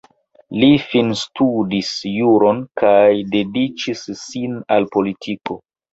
Li finstudis juron kaj dediĉis sin al politiko.